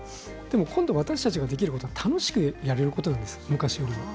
今度、私たちができることは楽しくやることなんです昔よりも。